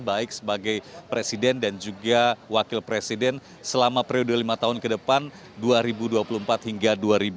baik sebagai presiden dan juga wakil presiden selama periode lima tahun ke depan dua ribu dua puluh empat hingga dua ribu dua puluh empat